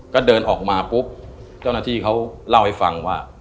ก็เดินออกมาปุ๊บเจ้าหน้าที่เขาเล่าให้ฟังว่า